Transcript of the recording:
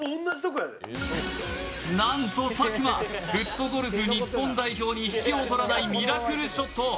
なんと佐久間、フットゴルフ日本代表にひけをとらないミラクルショット。